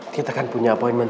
kita kan punya appointment